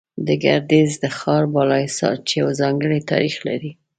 د ګردېز د ښار بالا حصار، چې يو ځانگړى تاريخ لري